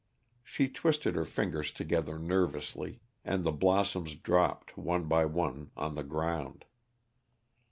She twisted her fingers together nervously, and the blossoms dropped, one by one, on the ground.